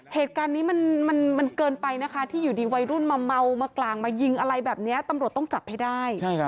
เหตุการณ์นี้มันเกินไปนะคะที่อยู่ดีวัยรุ่นมาเมามากรางมายิงอะไรแบบนี้ตำรวจต้องจับให้ได้